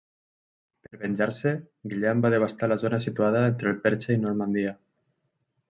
Per venjar-se, Guillem va devastar la zona situada entre el Perche i Normandia.